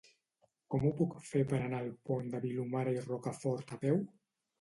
Com ho puc fer per anar al Pont de Vilomara i Rocafort a peu?